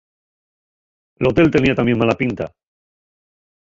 L'hotel tenía tamién mala pinta.